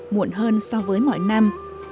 muộn hơn so với mọi năm